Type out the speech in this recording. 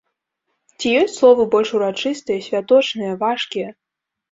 Ці ёсць словы больш урачыстыя, святочныя, важкія?